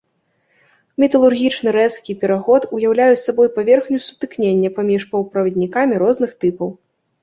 Металургічны рэзкі пераход уяўляе сабой паверхню сутыкнення паміж паўправаднікамі розных тыпаў.